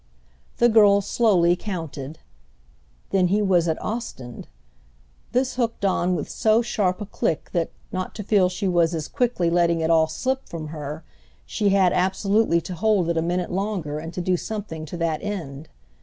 The girl slowly counted. Then he was at Ostend. This hooked on with so sharp a click that, not to feel she was as quickly letting it all slip from her, she had absolutely to hold it a minute longer and to do something to that end.